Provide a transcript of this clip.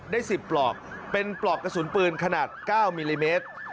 ได้๑๐ปลอกเป็นปลอกกระสุนปืนขนาด๙มิลลิเมตร